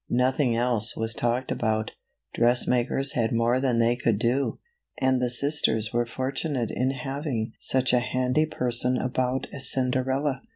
Nothing else was talked about. Dress makers had more than they could do, and the sisters were fortunate in having such a handy person about as Cinderella.